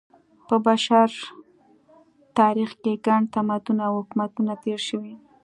په بشر تاریخ کې ګڼ تمدنونه او حکومتونه تېر شوي.